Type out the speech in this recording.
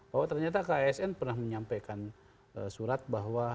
bahwa ternyata ksn pernah menyampaikan surat bahwa